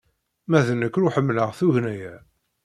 Ma d nekk, ur ḥemmleɣ tugna-a.